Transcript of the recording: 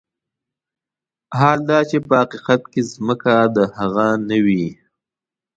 حال دا چې په حقيقت کې ځمکه د هغه نه وي.